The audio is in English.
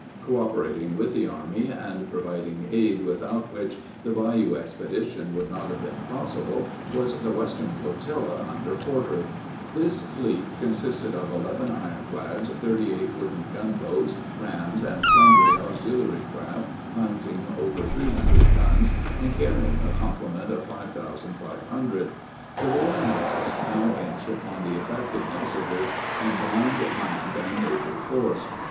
Cooperating with the army, and providing aid without which the bayou expeditions would not have been possible, was the Western Flotilla under Porter. This fleet consisted of 11 ironclads, 38 wooden gunboats, rams, and sundry auxiliary craft mounting over 300 guns and carrying a complement of 5,500. The war in the West now hinged upon the effectiveness of this combined land and naval force.